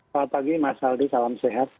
selamat pagi mas aldi salam sehat